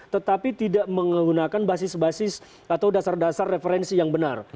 tetapi tidak menggunakan basis basis atau dasar dasar referensi yang benar